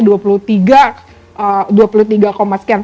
kemudian di tahun dua ribu dua puluh dua itu angkanya dua puluh tiga